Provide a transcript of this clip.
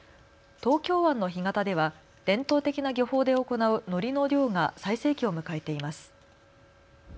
東京湾の干潟では伝統的な漁法で行うのりの漁が最盛期を迎えています。